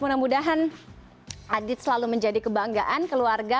mudah mudahan adit selalu menjadi kebanggaan keluarga